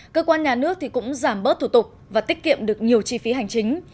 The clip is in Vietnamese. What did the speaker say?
cơ quan nhà nước cũng giảm bớt thủ tục và tiết kiệm được nhiều chi phí hành chính